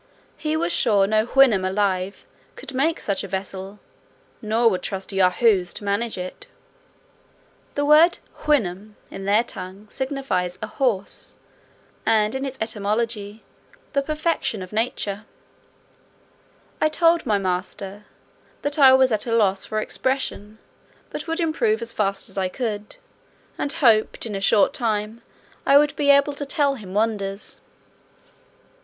He was sure no Houyhnhnm alive could make such a vessel, nor would trust Yahoos to manage it." The word Houyhnhnm, in their tongue, signifies a horse, and, in its etymology, the perfection of nature. I told my master, "that I was at a loss for expression, but would improve as fast as I could; and hoped, in a short time, I should be able to tell him wonders."